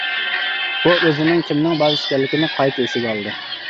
ئۇ ئۆزىنىڭ كىمنىڭ بالىسى ئىكەنلىكىنى قايتا ئېسىگە ئالدى.